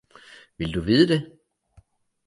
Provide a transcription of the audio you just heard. Vil du vide det?